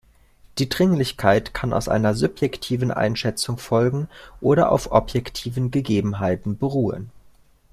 Die Dringlichkeit kann aus einer subjektiven Einschätzung folgen oder auf objektiven Gegebenheiten beruhen.